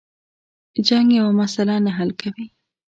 جنگ یوه مسله نه حل کوي.